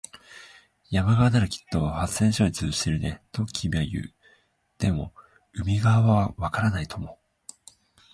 山側ならきっと発電所に通じているね、と君は言う。でも、海側はわからないとも。